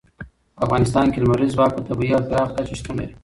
په افغانستان کې لمریز ځواک په طبیعي او پراخه کچه شتون لري.